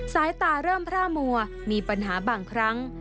สายตาเริ่มพระมัวมีปัญหาบางครั้ง